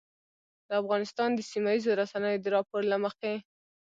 د افغانستان د سیمهییزو رسنیو د راپور له مخې